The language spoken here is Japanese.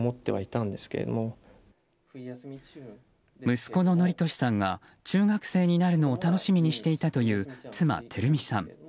息子の規稔さんが中学生になるのを楽しみにしていたという妻・照美さん。